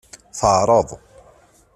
Teɛreḍ.